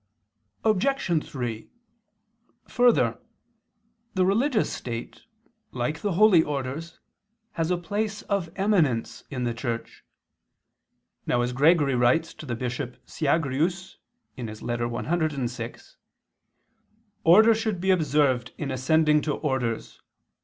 Obj. 3: Further, the religious state, like the holy orders, has a place of eminence in the Church. Now, as Gregory writes to the bishop Siagrius [*Regist. ix, Ep. 106], "order should be observed in ascending to orders.